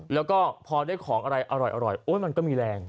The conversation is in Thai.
แล้วก็พอได้ของอะไรอร่อยมันก็มีแรง